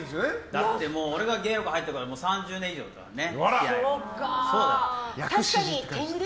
だって俺が芸能界入ってから３０年以上だよね。